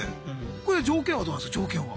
これ条件はどうなんすか条件は。